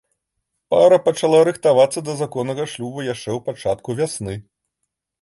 Пара пачала рыхтавацца да законнага шлюбу яшчэ ў пачатку вясны.